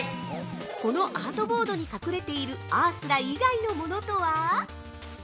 このアートボードに隠れているアースラ以外のものとは？